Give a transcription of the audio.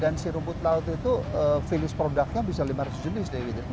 dan si rebut laut itu finish productnya bisa lima ratus jenis